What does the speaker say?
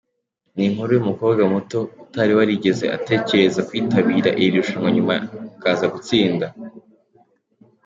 Ni inkuru y’umukobwa muto, utari warigeze atekereza kwitabira iri rushanwa nyuma akaza gutsinda.